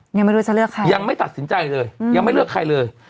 ยังไม่รู้จะเลือกใครยังไม่ตัดสินใจเลยยังไม่เลือกใครเลย